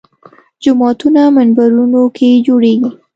جوماتونو منبرونو کې جوړېږي